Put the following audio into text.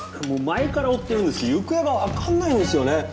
もう前から追ってるんですけど行方が分かんないんですよね